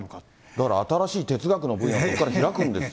だから、新しい哲学の分野、ここから開くんですよ。